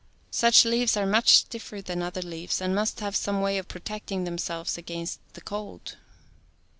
Such leaves are much stiffer than other leaves and must have some way of protecting themselves against the cold.